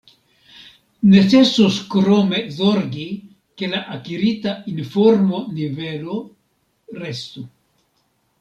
Necesos krome zorgi, ke la akirita informo-nivelo restu.